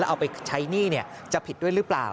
เอาไปใช้หนี้จะผิดด้วยหรือเปล่า